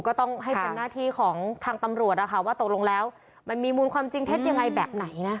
ก็ต้องให้เป็นหน้าที่ของทางตำรวจนะคะว่าตกลงแล้วมันมีมูลความจริงเท็จยังไงแบบไหนนะ